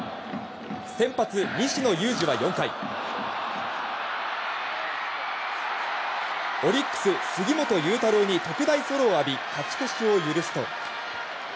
先発、西野勇士は４回オリックス、杉本裕太郎に特大ソロを浴び勝ち越しを許すと。